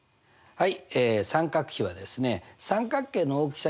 はい。